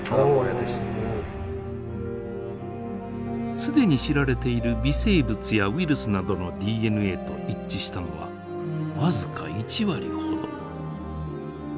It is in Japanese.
既に知られている微生物やウイルスなどのＤＮＡと一致したのは僅か１割ほど。